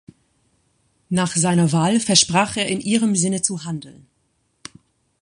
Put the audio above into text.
Nach seiner Wahl versprach er in ihrem Sinne zu handeln.